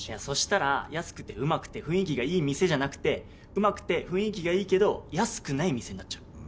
そしたら安くてうまくて雰囲気がいい店じゃなくてうまくて雰囲気がいいけど安くない店になっちゃう。